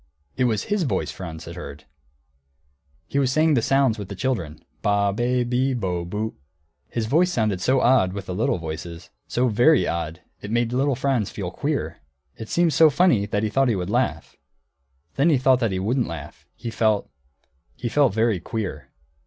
It was his voice Franz had heard. He was saying the sounds with the little children, ba, be, bi, bo, bu. His voice sounded so odd, with the little voices, so very odd, it made little Franz feel queer. It seemed so funny that he thought he would laugh; then he thought he wouldn't laugh, he felt he felt very queer.